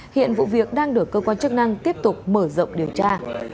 hiện vụ việc đang được cơ quan chức năng tiếp tục mở rộng điều tra